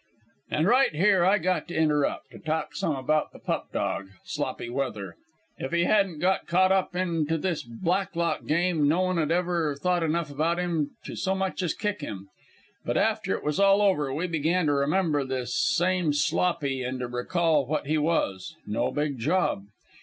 "And right here I got to interrupt, to talk some about the pup dog, Sloppy Weather. If he hadn't got caught up into this Blacklock game, no one'd ever thought enough about him to so much as kick him. But after it was all over, we began to remember this same Sloppy an' to recall what he was; no big job.